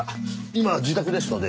今自宅ですので。